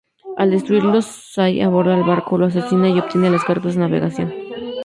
Al destruirlo, Shay aborda el barco, lo asesina y obtiene las cartas de navegación.